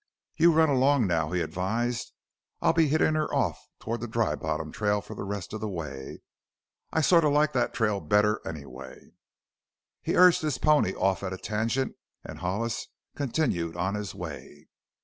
"You run along now," he advised. "I'll be hittin' her off toward the Dry Bottom trail for the rest of the way I sorta like that trail better anyway." He urged his pony off at a tangent and Hollis continued on his way.